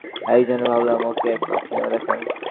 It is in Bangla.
এইজন্য ভাবলাম ওকে একটি, সিনেমা দেখাই।